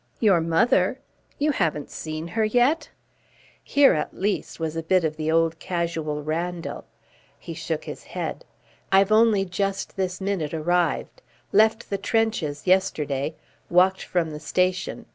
"Your mother? You haven't seen her yet?" Here, at least, was a bit of the old casual Randall. He shook his head. "I've only just this minute arrived. Left the trenches yesterday. Walked from the station.